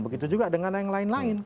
begitu juga dengan yang lain lain